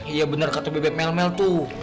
iya bener kata bebek mel mel tuh